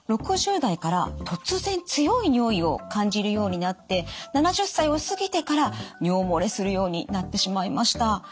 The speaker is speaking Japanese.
６０代から突然強い尿意を感じるようになって７０歳を過ぎてから尿漏れするようになってしまいました。